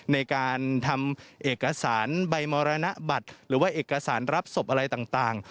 ในการทำเอกสารใบมรณบัตรหรือว่าเอกสารรับศพอะไรต่าง